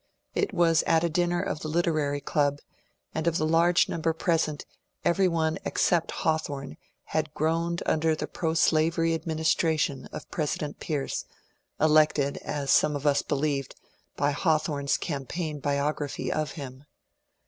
It was at a dinner of the Literary Qub, and of the large number present every one except Hawthorne had groaned under the proslavery administration of President Pierce, elected, as some of us believed, by Hawthorne's cam paign biography of him.